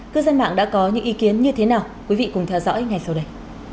cư dân mạng đã có những ý kiến như thế nào quý vị cùng theo dõi ngay sau đây